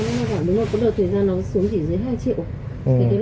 lúc nó tăng anh hỏi bây giờ có được thời gian nó xuống chỉ dưới hai triệu